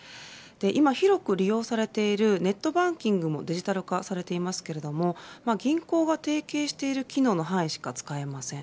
今広く利用されているネットバンキングもデジタル化されていますけれど銀行が提携している機能の範囲しか使えません。